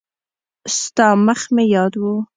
ستا مخ مې یاد و.